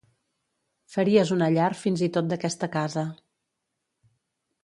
Faries una llar fins i tot d'aquesta casa.